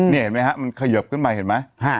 นี่เห็นไหมฮะมันเขยิบขึ้นมาเห็นไหม